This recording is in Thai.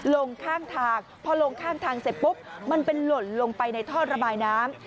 ลงข้างทางพอลงข้างทางเสร็จปุ๊บมันเป็นหล่นลงไปในท่อระบายน้ำ